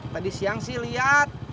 tadi siang sih lihat